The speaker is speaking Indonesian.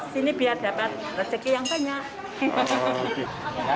sini biar dapat rezeki yang banyak